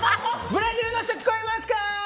ブラジル人聞こえますかー！